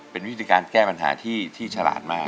เป็นวิธีการแก้ปัญหาที่ฉลาดมาก